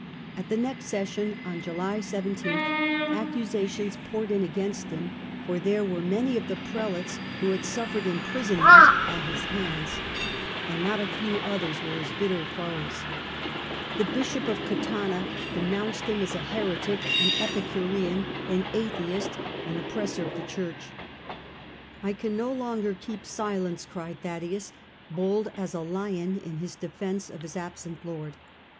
At the next session on July iyth accusations poured in against him, for there were many of the Prelates who had suffered imprisonment at his hands and not a few others were his bitter foes. The Bishop of Catana denounced him as a heretic, an Epicurean, an atheist, an oppressor of the Church. " I can no longer keep silence," cried Thaddaeus, bold as a lion in his defence of his absent Lord.